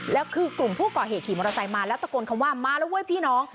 แล้วคือกลุ่มผู้ก่อเหตุขี่มอเตอร์ไซค์มาแล้วตะโกนคำว่ามาแล้วเว้ยพี่น้อง